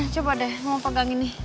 coba deh mau pegang ini